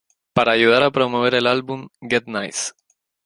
Para ayudar a promover el álbum "Get Nice!